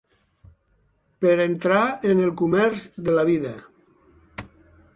Per entrar en el comerç de la vida.